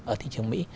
ở thị trường